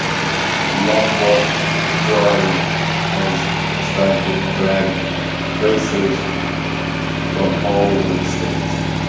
Long Wharf Drive has attracted drag racers from all over the state.